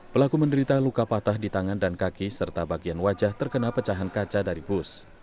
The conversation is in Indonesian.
pelaku menderita luka patah di tangan dan kaki serta bagian wajah terkena pecahan kaca dari bus